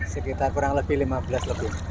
sekitar kurang lebih lima belas lebih